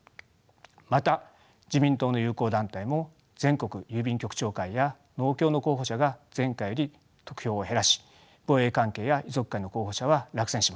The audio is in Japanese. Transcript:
また自民党の友好団体も全国郵便局長会や農協の候補者が前回より得票を減らし防衛関係や遺族会の候補者は落選しました。